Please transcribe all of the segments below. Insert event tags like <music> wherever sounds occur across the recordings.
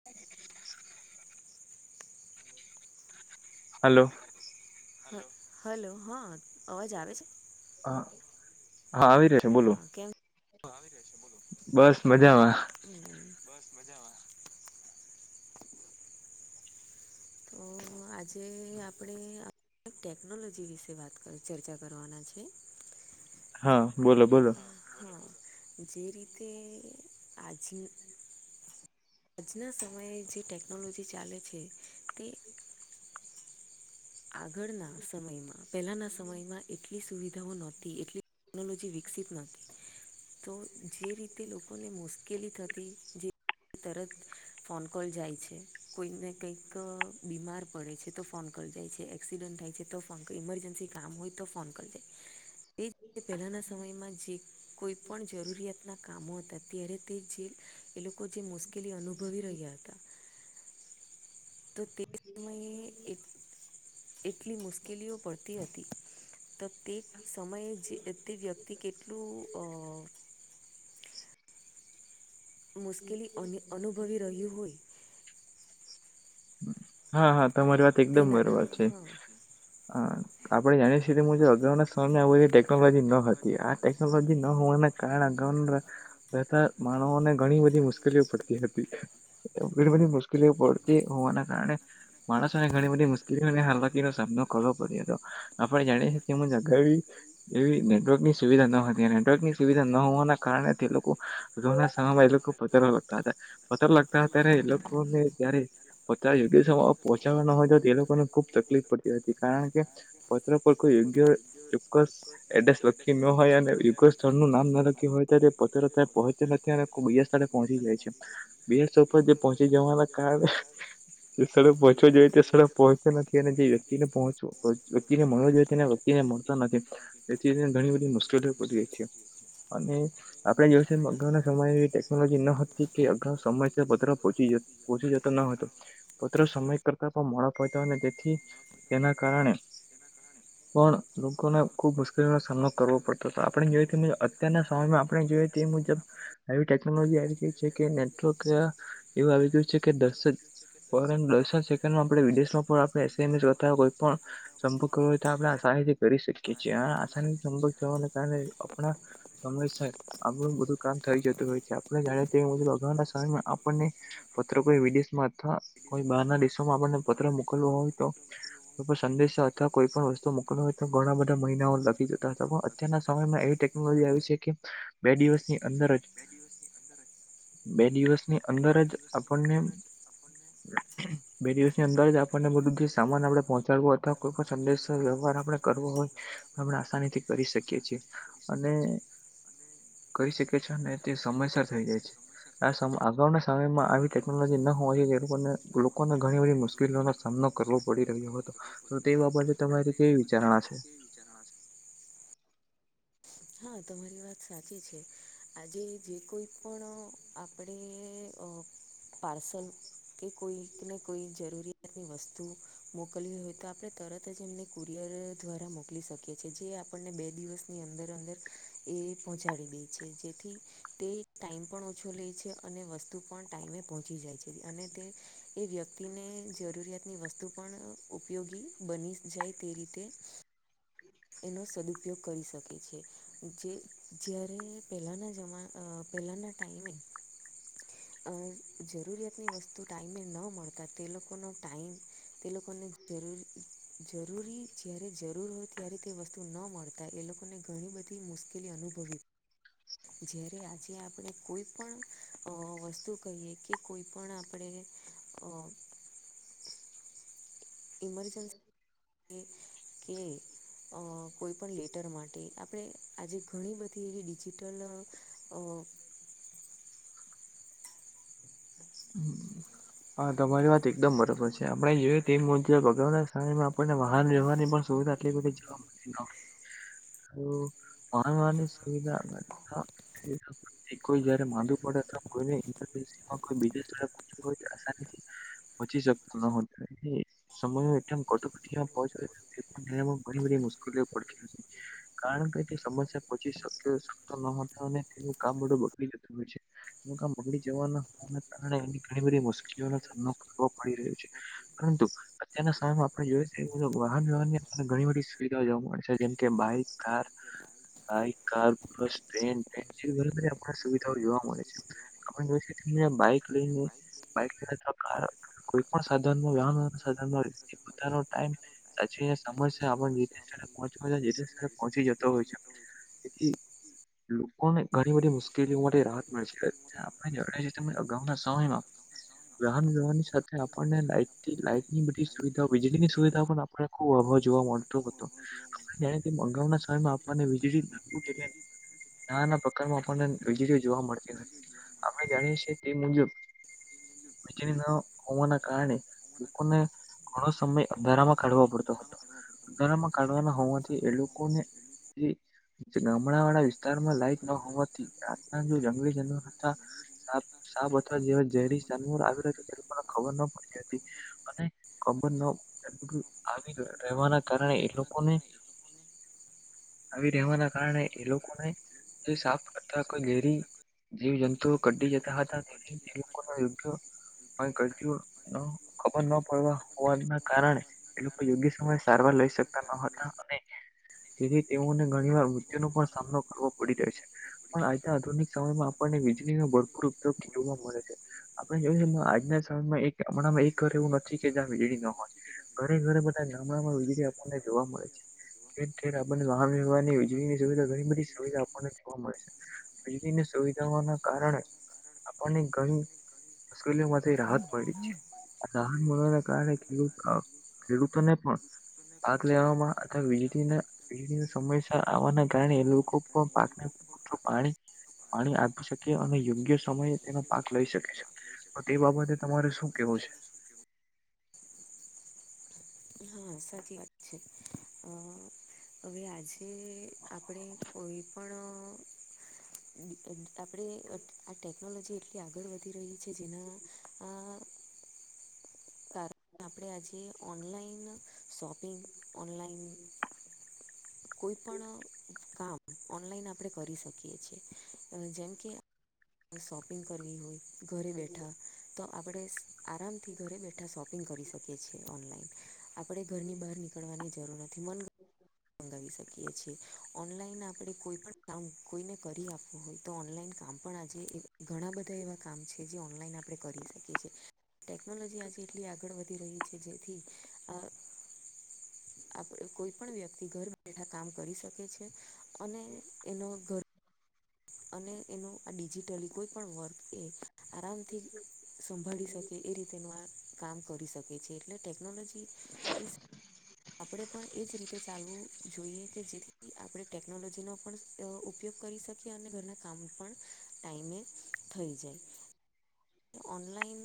હ <inaudible> હલો. હ હલો, હા અવાજ આવે છે? હા હા આવી ર હા કેમ બસ મજામાં. હ. તો આજે આપણે ટેકનોલોજી વિશે વાત ચર્ચા કરવાના છે. હા બોલો બોલો. હા જે રીતે આજનું આજના સમયે જે ટેકનોલોજી ચાલે છે. તે આગળના સમયમાં પહેલાના સમયમાં એટલી સુવિધાઓ નહોતી એટલી ટેક્નોલોજી વિકસિત નહતી. તો જે રીતે લોકોને મુશ્કેલી થતી જે તરત ફોન કોલ જાય છે કોઈને કંઈક બીમાર પડે છે તો ફોન કોલ જાય છે. એક્સિડન્ટ થાય છે તો ફોન ઇમરજન્સી કામ હોય તો ફોન કરી જે. તે જી પહેલાના સમયમાં જે કોઈ પણણ જરૂરિયાતના કામો હતા. ત્યારે તે જે એ લોકો જે મુશ્કેલી અનુભવી રહ્યા હતા. તો તે સમયે એટલી મુશ્કેલીઓ પડતી હતી. તો તે સમયે જે તે વ્યક્તિ કેટલું મુશ્કેલી અન અનુભવી રહ્યું હોય. હા હા તમારી વાત એકદમ તેના બરોબર છે, હા. આપણે જાણીએ છી કે મુું અગાઉ ના સમય આવ બધી ટેકનોલોજી ન હતી આ ટેકનોલોજી ન હોવાના કારણ આગઉ, રહેતા માણને ઘણી બધી મુશ્કેલીઓ પડતી હતી. ઘણી બધી મુશ્કેલીઓ પડતી હોવાના કારણે. માણસોને ઘણી બધી મુશ્કેલીઓને હાલાકીનોો સામનો કરવો પડ્યો હતો. આપણે જાણીએ કે હું જગાવી એવી નેટવર્કની સુવિધા ન હતી નેટવર્કની સુવિધા ન હોવાના કારણે, તે લોકોના એ લોકો પથરો લગતા હતા, પ્રો લગતા ત્યારે એ લોકોને જયારે પોતા યોગ્ય સમય પહોંચાડવા ન હોય તો તે લોકોને ખુબ તકલીફ પડતી હતી કારણ કે. પત્રના પ યોગ્ય ચોક્કસ એડસ લખી ન હોય અને યુગ સ્થળ નું નામ ના લખ્યું હોય ત્યારે પો પહોંચે યારે બીાર સ્થળે પહોંચી જાય છે, બીર સ્થળ જે પહોંચી જવાના કારણે જે સર પહોચો જોઈએ તે સર પહોંચ્યો નથી અને જે વ્યક્તિને પહોચવો વ્યક્તિને મળવા જઈએ તેને એને મળતા નથી એથી ઘણી બધી મુશ્કેલી પડી રહી છે અને આપડે જઈ સુધી બધાને એ સમયે ટેકનોલોજી ન હતી કે અગાઉ સમયસર પત્ર પહોચી જતો ન હતો પત્ર સમય કરતા પણ મોડો પહોંચ્યો અને તેથી તેના કારણે પણ લોકોને ખુબ મુશ્કેલીનો સામનો કરવો પડતો હતો આપણે જોઈએ તો અત્યારના સમયમાં આપણે જોઈએ તે મુજબ આવી ટેકનોલોજી આવી ગઈ છે કે નેટવર્ક એવું આવી ગયું છે કે દશ જ દશ જ સેકન્ડ માં આપડે વિદેશમાં પણ આપડે એસ એમ એસ કોઈ પણ સંભવ કરવો હોય તો આપણે આસાનીથી કરી શકીએ છીએ અને આસાનીથી સંભક થવાને કારણે આપણા સમયસર આપણું બધું કામ થઈ જતું હોય છે આપણે જાણીએ મુજબ અગાઉના સમયમાં આપણને પત્ર કોઈ વિદેશમાં અથવા કોઈ બહારના દેશોમાં આપણને પત્ર મોકલવો હોય તો સંદેશા અથવા કોઈ પણ વસ્તુ મોકલવા હોય તો ઘણા બધા મહિનાઓ લાગી જતા હતા પણ અત્યારના સમયમાં એવી આવી છે કે બે દિવસની અંદર જ બે દિવસની અંદર જ આપણને બલે બે દિવસની અંદર જ આપણને બધું જે સામાન આપણે પહોંચાડવો અથવા કોઈ પણ સંદેશો વ્યવહાર આપડે કરવો હોય હમણાં આસાનીથી કરી શકીએ છીએ અને કહી શકીએ છીએ ને તે સમયસર થઇ જાય છે આ સમ અગાઉના સમયમાં આવી ટેકનોલોજી ન હોય જો તે લોકોને લોકોને ઘણી બધી મુશ્કેલીઓનો સામનો કરવો પડી રહ્યો હતો તો તે બાબતે તમારી કેવી વિચારણા છે હા તમારી વાત સાચી છે આજે જે કોઈ પણ આપડે પાર્સલ કે કોઈક ને કોઈ જરૂરિયાતની વસ્તુ મોકલવી હોય તો આપણે તરત જ એમને કુરિયર દ્વારા મોકલી શકીએ છીએ જે આપણને બે દિવસની અંદર અંદર એ પહોંચાડી દે છે જેથી તે ટાઈમ પણ ઓછો લે છે અને વસ્તુ પણ ટાઈમે પહોંચી જાય છે અને તે એ વ્યક્તિને જરૂરિયાતની વસ્તુ પણ ઉપયોગી બની જાય તે રીતે એનો સદુપયોગ કરી શકે છે જે જ્યારે પહેલાના જમાના પહેલાના ટાઈમે અ જરૂરિયાતની વસ્તુ ટાઈમે ન મળતા તે લોકોનો ટાઈમ તે લોકોને જરૂર જરૂરી જયારે જરૂર હોતી ત્યારે તે વસ્તુ ન મળતા એ લોકોને ઘણી બધી મુશ્કેલી અનુભવી જ્યારે આજે આપણે કોઈ પણ વસ્તુ કહીએ કે કોઈ પણ આપણે અ ઇમરજન્સી કે અ કોઈપણ લેટર માટે આપણે આજે ઘણી બધી એવી ડિજિટલ અ હમ હા તમારી વાત એકદમ બરોબર છે આપણે જોઈએ તે મુજબ અગાઉના સમયમાં આપણને વાહન વ્યવહારની પણ સુવિધા એટલે જવા તો પરણવા સુવિધા ની કોઈ રે માંદું પડે તો કોઈ બીજ સ્થ હોય આ પછી શક ન હો એ સમય એ કટકમાં પહોચ પણ તે ઘણી બધી મુશ્કેલીઓ પડતી હતી કારણ કે તે સમસ્યા પહચી શતો ન અને તે કામું બગડી જતું હોય છે બધુ કામ બગડી જવાના હોવાના કારણે એ ઘણી બધી મુશ્કેલીઓનો સામનો કરવો પડી રહ્યો છે. પરંતુ. અત્યારના સમયમાં આપણે જોઈ તે વાહન વ્યહવાર ની આપને ઘણી બધી સુવિધાઓ જોવા મળે છે જેમ કે bike car bike car plus train train જેવી આપણને સુવિધાઓ જોવા મળે છે. આપણે જો <inaudible> બાઈક લઈને બાઈક લઈને તો કાર કોઈ પણ સાધન નુ વાન સાધનો પોતાનો ટાઈમ સાચીને સમજ આપી <inaudible> પચ પહચી જતો હોય છેથી લોકોને ઘણી બધી મુશ્કેલીઓ માટે રાહત મળશે આપણે જણે અગાઉતાના સમયમાં વાહન વ્યવહાર ની સાથે આપણને લાઈટ લાઈટ ની બધી સુવિધાઓ વીજળીની સુવિધાઓ પણ આપને ખુબ અભાવ જોવા મળે. ને <inaudible> માવના સમયમાં આપવાને વીજળી નાના પ્રકારમાં આપણને વિજળી જોવા મળતી નથી આપણે જાણીએ છીએ તે મુજબ વીજળી ના હોવાના કારણે લોકોને ઘણો સમય અંધારામાં કાઢવો પડતો હતો અંધારામાં કાઢવાના હોવાથી એ લોકોને જે જે ગામડા વાળા વિસ્તારમાં લાઈટ ન હોવાથી રાતના જો જંગલી જાનવર હતા સાપ સાપ અથવા જેવા જેહરી જાનવર આવી રહ હત તે ખબર ના પડતી હતી અને ખબર ન આવી રહેવાના કારણે એ લોકોને ને <unintelligible> આવી રહેવાના કારણે એ લોકોને સાફ કરતા કોઈ ઘેરી જીવ જંતુઓ કઢી જતા હતા લોકો ના યુધ ગ <inaudible> ખબર ના પડવા હોવાના કારણે એ લોકો યોગ્ય સમયે સારવાર લઈ શકતા ન હતા અને તેથી તેઓને ઘણીવાર વૃદ્ધઓ ન પણ સામનો કરવો પડી રહ્યો છે. પણ આજ આધુનિક સમયમાં આપણને વીજળીનો ભરપૂર ઉપયોગ કે જોવા મળે છે. આપણે જોય આજના સમયમાં હમણાંમાં એક ઘર એવું નથી કે જ્યાં વીજળી ન હોય. ઘરે ઘરે બધા ગામડામાં વીજળી આપણને જોવા મળે છે. ઠેર ઠેર આપણને વાહન વ્યવહાર ની વિજળી ની સુવિધા ઘણી બધી સુવિધા આપણને જોવા મળે છે. વીજળીની સુવિધાઓ ના કારણે આપણને ઘણી મુશ્કેલીઓ માંથી રાહત મળી છે. રાહાત મળવાને કારણે ખેૂ અ ખેડૂતોને પણ આગ લેવામાં અથવા વીજળી ને પી સમસ્યા આવવાના કારણે એ લોકો પણ પાક નેું પુરતું પાણી પાણી આપી શકે અને યોગ્ય સમયે તેનો પાક લઈ શકે. તો તે બાબતે તમારે શું કેવું છે. હા સાચી વાત છે અ હવે આજ તે આપણે કોઈ પણ આપે આક <inaudible> ટેકનોલોજી એટલી આગળ વધી રહી છે જેના આ કારણે આપણે આજે ઓનલાઈન શોપિંગ ઓનલાઈન કોઈ પણ કામ ઓનલાઈન આપણે કરી શકીએ છીએ જેમકે શોપિંગ કરવી હોય ઘરે બેઠા તો આપણે આરામથી ઘરે બેઠા શોપિંગ કરી શકીએ છીએ ઓનલાઈન આપડે ઘરની બહાર નીકળવાની જરૂર નથી મન મંગાવી શકીએ છેએ ઓનલાઈન આપણે કોઈ પણ કામ કોઈને કરી આપવું હોય તો ઓનલાઈન કામ પણ આજે ઘણા બધા એવા કામ છે જે ઓનલાઈન આપણે કરી શકીએ છીએ ટેકનોલોજી આજે એટલી આગળ વધી રહી છે જેથી આ આપ કોઈ પણ વ્યક્તિ ઘર બેઠા કામ કરી શકે છે અને એનો ઘર અને એનું આ ડિજિટલી કોઈ પણ વર્ક એ આરામથી સંભાળી શકે એ રીતેનું આ કામ કરી શકે છે એટલે ટેકનોલોજી એ આપણે પણ એજ રીતે ચાલવું જોઈએ કે જેથી આપણે ટેકનોલોજીનો પણ ઉપયોગ કરી શકીએ અને ઘરના કામ પણ ટાઈમેે થઈ જાય ઓનલાઈન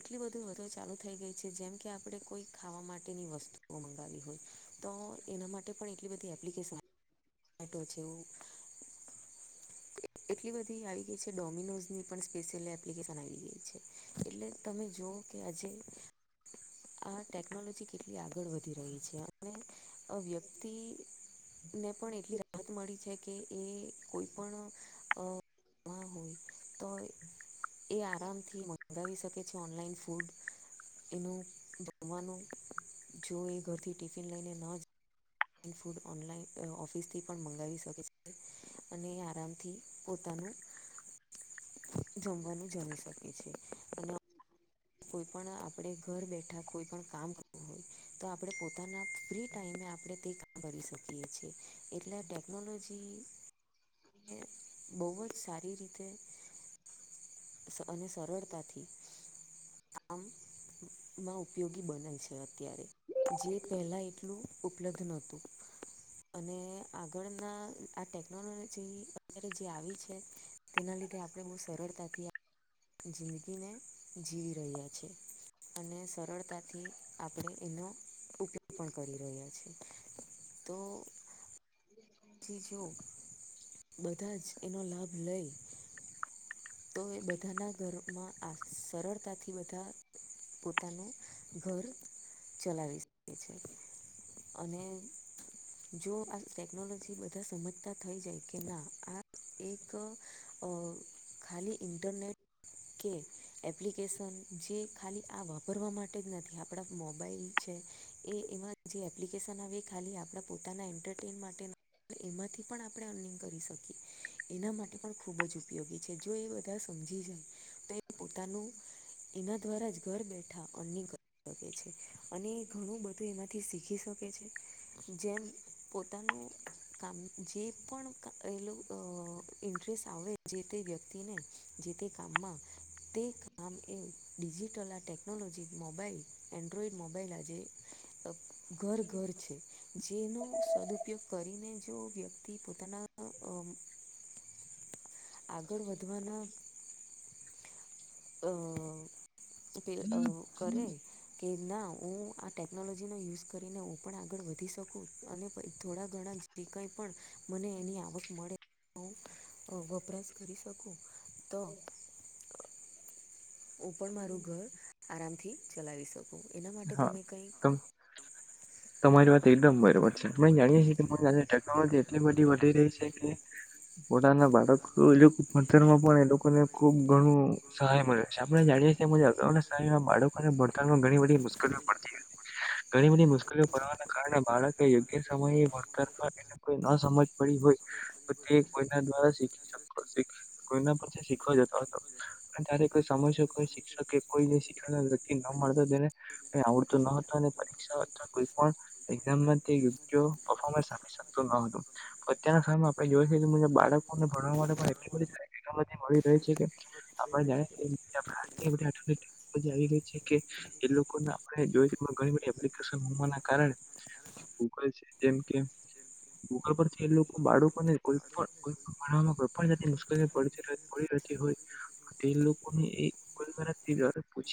એટલી બધું વધારે ચાલુ થઈ ગઈ છે જેમ કે આપણે કોઈ ખાવા માટેની વસ્તુઓ મંગાવી હોય તો એના માટે પણ એટલી બધી એપ્લિકેશન આટો છે એવું એટલી બધી આવી ગઈ છે ડોમિનોઝની પણ સ્પેશિયલ એપ્લિકેશન આવી ગઈ છે. એટલે તમે જુઓ કે આજે આ ટેકનોલોજી કેટલી આગળ વધી રહી છે અને આ વ્યક્તિ ને પણ એટલી રાહત મળી છે. કે એ કોઈ પણ <unintelligible> હોય તો એ આરામથી મંગાવી શકે છે ઓનલાઈન ફૂડ એનું જમવાનું જો એ ઘરથી ટિફિન લઈને ના જ ફૂડ ઓનલાઈન ઓફિસ થી પણ મંગાવી શકે છે અને આરામથી પોતાનું જમવાનું જમી શકે છે અને કોઈ પણ આપણે ઘર બેઠા કોઈ પણ કામ તો આપણે પોતાના ફ્રી ટાઈમે આપણે તે કરી શકીએ છેએ. એટલે ટેકનોલોજી એ બહુ જ સારી રીતે અને સરળતાથી કામ માં ઉપયોગી બનેય છે અત્યારે જે પહેલા એટલું ઉપલબ્ધ નહોતું અને આગળના આ ટેકનોલોજી અરે જે આવી છે. તેના લીધે આપણે બહુ સરળતાથી આ જિંદગીને જીવી રહ્યા છીએ અને સરળતાથી આપણે એનો ઉપયોગ પણ કરી રહ્યા છે તો હ. પછી જો બધા જ એનો લાભ લઈ તો એ બધાના ઘરમાં આ સરળતાથી બધા પોતાનું ઘર ચલાવી શકે છે. અને જો આ ટેકનોલોજી બધા સમજતા થઈ જાય કે ના આ એક અ ખાલી ઇન્ટરનેટ કે એપ્લિકેશન જે ખાલી આ વાપરવા માટે જ નથી આપણા મોબાઈલ છે એ એમાં જે એપ્લિકેશન આવે એ ખાલી આપણા પોતાના એન્ટરટેન માટે એમાંથી પણ આપણે અર્નિંગ કરી શકીએ. એના માટે પણ ખૂબ જ ઉપયોગી છે જો એ બધા સમજી જાય, તો એ પોતાનું, એના દ્વારા જ ઘર બેઠા અ કરી શકે છે, અને ઘણું બધું એમાંથી શીખી શકે છે. જેમ પોતાનું કામ જે પણલું ઇન્ટરેસ્ટ આવે જે તે વ્ય વ્યતિને, જે તે કામમાં. તે કામ એ ડિજિટલ આ ટેકનોલોજી મોબાઈલ. એન્ડ્રોઈડ મોબાઈલ આજે ઘર ઘર છે, જેનો સદઉપયોગ કરીને જો વ્યક્તિ પોતાના આગળ વધવાના અ પ કરે. કે ના હું આ ટેકનોલોજીનો યુઝ કરીને હું પણ આગળ વધી શકું અને પ થોડા ઘણા જે કાંઈ પણ, મને એની આવક મળે હું વપરાશ કરી શકું. તો હું પણ મારું ઘર, આરામથી ચલાવી શકું. એના માટે હા તમે કંઈ તમ. તમારી વાત એકદમ બરોબર છે આપ જાણીએ છીએ તમા ટેકનોલોજી એટલી બધી વધી રહી છે કે ઓળાના બાળકો એ લોકો પથરમાં પણ એ લોકોને ખુબ ઘણું સહાય મળ્યો છે આપણે જાણીએ છીએ અગાઉના સહાયમાં બાળકોને ભણતણમાં ઘણી બધી મુશ્કેલીઓ પડતી ઘણી બધી મુશ્કેલીઓ પડવાના કારણે બાળક યોગ્ય સમય વતર કો ન સમજ પડી હોય, તો તે કોઈના દ્વારા શીખ કોઈના પરથી શીખવા જતો હો હતો. ત્યારે કોઈ સમસ કોઈ શિક્ષક કે કોઈ શીખ વ્યક્તિ ન મળતો તેને. આવડતું ન હતો અને પરીક્ષા અથવા કોઈ પણ, એઝામમાં યોગ્ય પફોર્મન્સ આપ છે. ું ન હતું. અત્યના સમયમાં આપે જોઈ શકી મુબ બાળકોને ભણવા માટે પણ એટલી બધ મળી રહી છે કે. આપણને જા <unintelligible> જે છે કે એ લોકો જો એ્િક <unintelligible> હોવાના કારણે ગુગલ છે જેમ કેમ ગગા <unintelligible> પરથી એ લોકો બાળકો ને કોઈ પણ કોઈ પણ ભણવામાં કોઈ પણ જા મુશ્કેલી પડતી પડી રતી હોય, તે લોકોને એનાથી દ પૂછી <unintelligible>